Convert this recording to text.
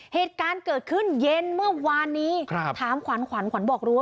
เหตุการณ์เกิดขึ้นเย็นเมื่อวานนี้ครับถามขวัญขวัญขวัญบอกรั้